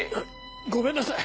ごめんなさい！